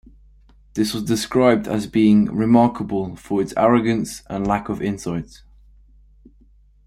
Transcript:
This was described as being "remarkable for its arrogance and lack of insight".